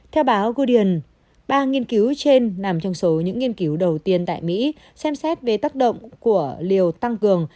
theo báo gudeian ba nghiên cứu trên nằm trong số những nghiên cứu đầu tiên tại mỹ xem xét về tác động của liều tăng cường